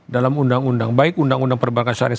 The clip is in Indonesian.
dalam undang undang baik undang undang perbankan syariah